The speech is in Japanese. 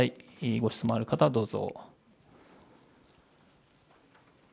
ご質問ある方、どうぞ。